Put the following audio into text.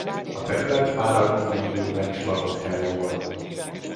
A terület már a római időkben is lakott hely volt.